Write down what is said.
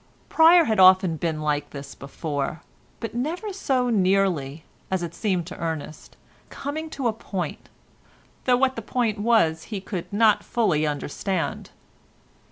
Pryer had often been like this before, but never so nearly, as it seemed to Ernest, coming to a point—though what the point was he could not fully understand.